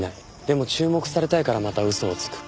でも注目されたいからまた嘘をつく。